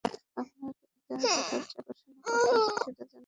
আপনারা তো এই জাহাজের সবচেয়ে আকর্ষনীয় কক্ষে আছেন, সেটা জানেন?